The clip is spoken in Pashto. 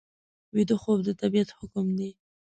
ویده خوب د طبیعت حکم دی